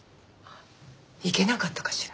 いけなかったかしら？